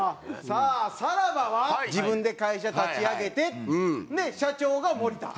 さあさらばは自分で会社立ち上げて社長が森田。